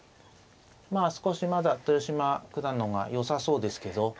少しまだ豊島九段のがよさそうですけど。